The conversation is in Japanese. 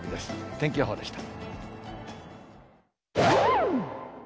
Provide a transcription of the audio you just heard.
天気予報でした。